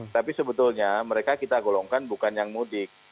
tapi sebetulnya mereka kita golongkan bukan yang mudik